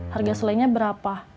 harga selainya berapa